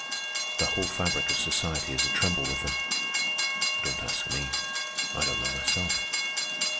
The whole fabric of society is a tremble with them. Don't ask me. I don't know myself.